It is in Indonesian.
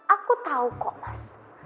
aku tahu kok mas